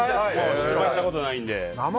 失敗したことないんで。